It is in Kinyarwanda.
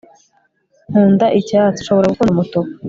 nkunda icyatsi, ushobora gukunda umutuku